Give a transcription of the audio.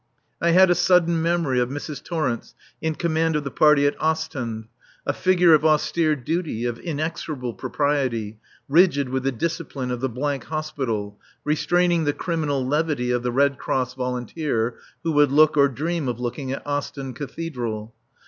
I had a sudden memory of Mrs. Torrence in command of the party at Ostend, a figure of austere duty, of inexorable propriety, rigid with the discipline of the Hospital, restraining the criminal levity of the Red Cross volunteer who would look or dream of looking at Ostend Cathedral.